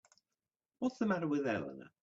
What's the matter with Eleanor?